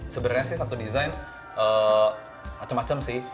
sebenarnya sih satu desain macam macam sih